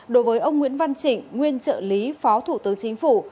đối với ông nguyễn văn trịnh nguyên trợ lý phó thủ tướng chính phủ